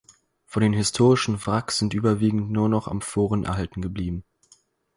Von den historischen Wracks sind überwiegend nur noch Amphoren erhalten geblieben.